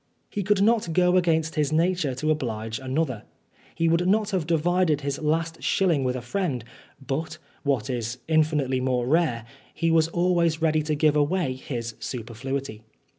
He could not go against his nature to oblige another. He would not have divided his last shilling with a friend, but, what is infinitely more rare, he was always ready to give away his superfluity.